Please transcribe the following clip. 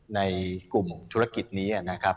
ในกลุ่มธุรกิจนี้นะครับ